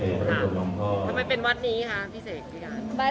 ทำไมเป็นวัดนี้คะพี่เสก